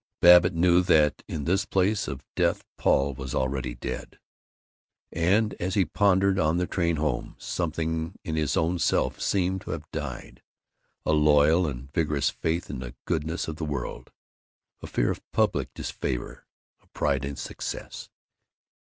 Babbitt knew that in this place of death Paul was already dead. And as he pondered on the train home something in his own self seemed to have died: a loyal and vigorous faith in the goodness of the world, a fear of public disfavor, a pride in success.